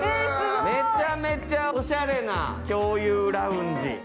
めちゃめちゃおしゃれな共有ラウンジ。